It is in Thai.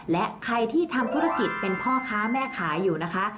และใครที่ทำธุรกิจเป็นพ่อค้าแม่ขายอยู่นะคะ